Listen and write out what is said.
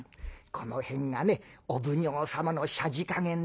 「この辺がねお奉行様のさじ加減ですよ。